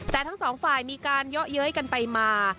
แต่ทั้งสองฝ่ายมีการเยาะเย้ยกันไปมา